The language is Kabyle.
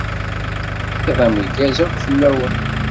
Iḍ ameggaz akk fell-awen.